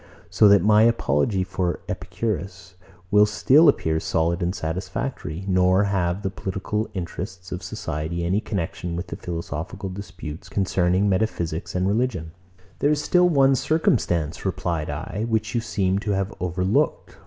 So that my apology for Epicurus will still appear solid and satisfactory; nor have the political interests of society any connexion with the philosophical disputes concerning metaphysics and religion. 114. There is still one circumstance, replied I, which you seem to have overlooked.